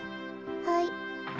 はい。